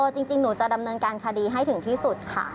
จริงหนูจะดำเนินการคดีให้ถึงที่สุดค่ะ